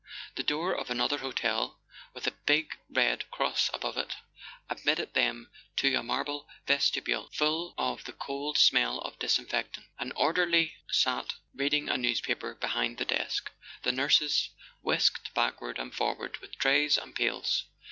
The door of another hotel, with a big Red Cross above it, admitted them to a marble vestibule full of the cold smell of disinfectants. An orderly sat reading a newspaper behind the desk, and nurses whisked backward and forward with trays and pails.